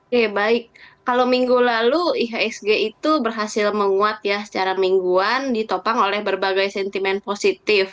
oke baik kalau minggu lalu ihsg itu berhasil menguat ya secara mingguan ditopang oleh berbagai sentimen positif